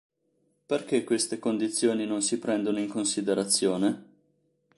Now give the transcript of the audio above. Perché queste condizioni non si prendono in considerazione?